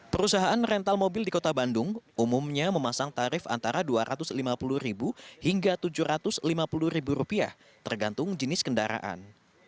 perusahaan rental mobil di kota bandung umumnya memasang tarif antara rp dua ratus lima puluh hingga rp tujuh ratus lima puluh tergantung jenis kendaraan